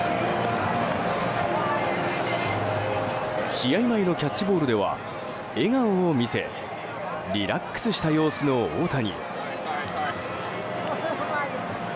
試合前のキャッチボールでは笑顔を見せリラックスした様子の大谷。